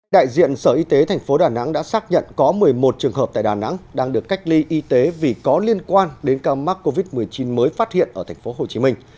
đại diện sở y tế tp đà nẵng đã xác nhận có một mươi một trường hợp tại đà nẵng đang được cách ly y tế vì có liên quan đến ca mắc covid một mươi chín mới phát hiện ở thành phố hồ chí minh